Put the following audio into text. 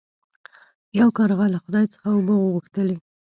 یو کارغه له خدای څخه اوبه وغوښتلې.